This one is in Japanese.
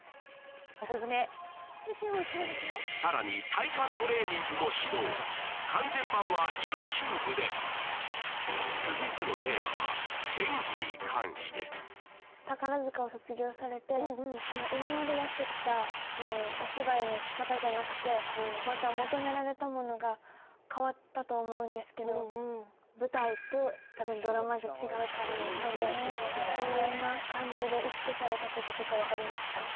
オススメさらに完全版はＹｏｕＴｕｂｅで続いてのテーマは演技に関して宝塚を卒業されて今までやってきたお芝居の仕方じゃなくてそうねまた求められたものが変わったと思うんですけどうんうん舞台と多分ドラマじゃ違うからのでどんな感じで意識されたこととかはありますか？